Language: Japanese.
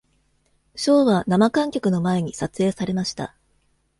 ショーは生観客の前に撮影されました。